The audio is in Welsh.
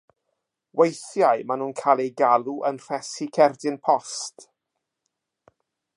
Weithiau maen nhw'n cael eu galw yn Rhesi Cerdyn Post.